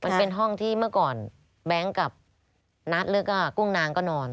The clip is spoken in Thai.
มันเป็นห้องที่เมื่อก่อนแบงค์กับนัทแล้วก็กุ้งนางก็นอน